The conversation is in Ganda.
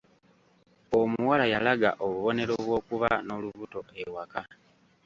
Omuwala yalaga obubonero bw'okuba n'olubuto ewaka.